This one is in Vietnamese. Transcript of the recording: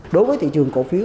đối với thị trường cổ phiếu